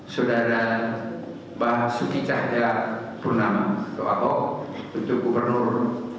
saudara basuki cayapurnama atau ahok untuk gubernur